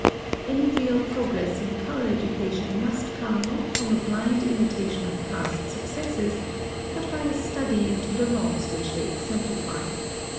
(85) Any real progress in color education must come not from a blind imitation of past successes, but by a study into the laws which they exemplify.